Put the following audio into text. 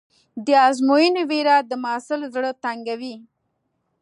د ازموینې وېره د محصل زړه تنګوي.